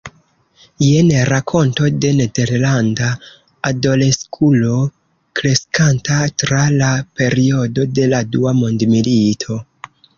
Jen rakonto de nederlanda adoleskulo, kreskanta tra la periodo de la dua mondmilito.